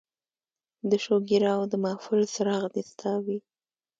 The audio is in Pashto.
د شوګیراو د محفل څراغ دې ستا وي